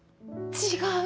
違う。